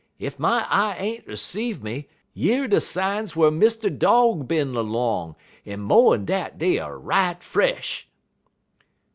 Ef my eye ain't 'ceive me yer de signs whar Mr. Dog bin 'long, en mo'n dat dey er right fresh.'